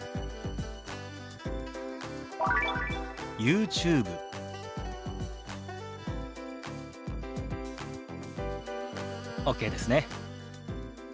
「ＹｏｕＴｕｂｅ」。ＯＫですね。